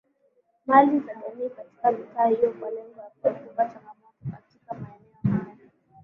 mali za jamii katika mitaa hiyo kwa lengo la kuepuka changamoto katika maeneo hayo